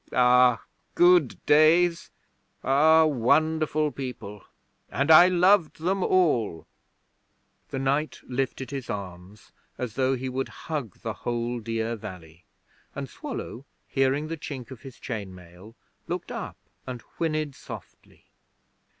Ah, good days! Ah, wonderful people! And I loved them all.' The knight lifted his arms as though he would hug the whole dear valley, and Swallow, hearing the chink of his chain mail, looked up and whinnied softly.